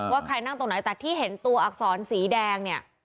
ว่าใครนั่งตรงไหนแต่ที่เห็นตัวอักษรสีแดงเนี่ย